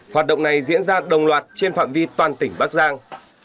hoạt động này diễn ra đồng loạt trên phạm vi toàn tỉnh bắc giang